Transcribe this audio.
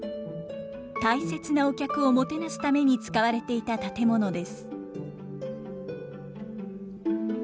大切なお客をもてなすために使われていた建物です。